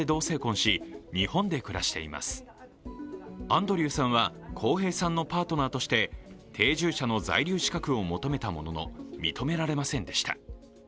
アンドリューさんは康平さんのパートナーとして定住者の在留資格を求めたものの認められませんでした。